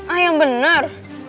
ah yang bener